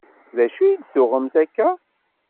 D acu i d-tuɣemt akka?